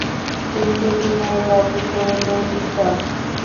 কিন্তু বিনয়বাবু তো– ললিতা।